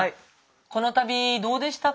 この旅どうでしたか？